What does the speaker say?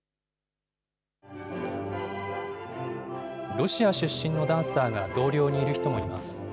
ロシア出身のダンサーが同僚にいる人もいます。